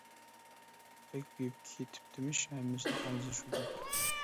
بەك بېيىپ كېتىپتىمىش، ھەممىسىنىڭ ئاغزىدا شۇ گەپ.